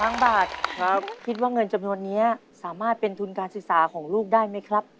ล้านบาทครับคิดว่าเงินจำนวนนี้สามารถเป็นทุนการศึกษาของลูกได้ไหมครับ